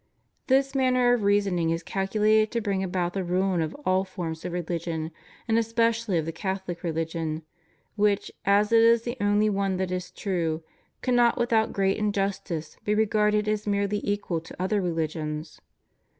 This manner of reasoning is calculated to bring about the ruin of all forms of reUgion, and especially of the Catholic religion, which, as it is the only one that is true, cannot, without great injustice, be regarded as merely equal to other religions.